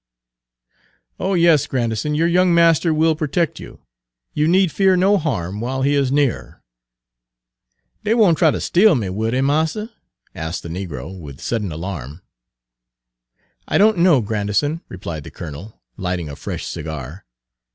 "Oh yes, Grandison, your young master will protect you. You need fear no harm while he is near." "Dey won't try ter steal me, will dey, marster?" asked the negro, with sudden alarm. "I don't know, Grandison," replied the colonel, lighting a fresh cigar.